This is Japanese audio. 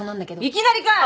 いきなりかい！